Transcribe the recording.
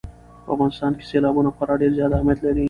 په افغانستان کې سیلابونه خورا ډېر زیات اهمیت لري.